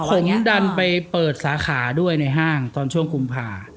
ผมดันไปเปิดสาขาด้วยในห้างตอนช่วงกุมภา